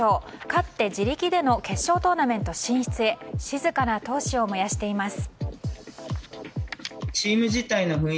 勝って自力での決勝トーナメント進出へ静かな闘志を燃やしています。